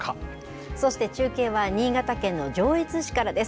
そして中継は、新潟県の上越市からです。